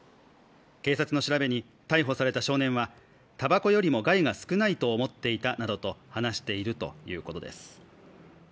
警察の調べに、逮捕された少年は、たばこよりも少ないと思っていたなどと話しているということです。